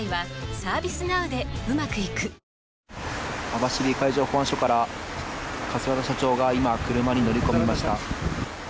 網走海上保安署から桂田社長が今、車に乗り込みました。